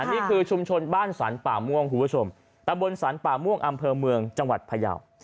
นี่คือชุมชนบ้านสรรป่าม่วงคุณผู้ชมตะบนสรรป่าม่วงอำเภอเมืองจังหวัดพยาว